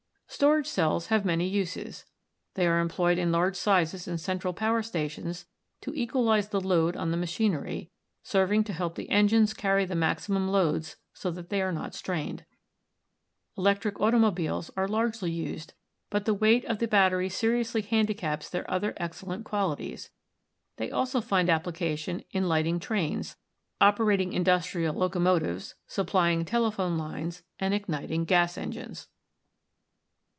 Storage cells have many uses. They are employed in large sizes in central power stations to equalize the load on the machinery, serving to help the engines car ry the maximum loads so that they are not strained. Elec tric automobiles are largely used, but the weight of the battery seriously handicaps their other excellent qualities. They also find application in lighting trains, operating in dustrial locomotives, supplying telephone lines and ignit ing gas engines.